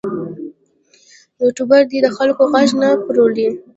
یوټوبر دې د خلکو غږ نه پلوري.